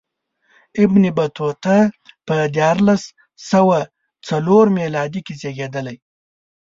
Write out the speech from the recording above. ابن بطوطه په دیارلس سوه څلور میلادي کې زېږېدلی.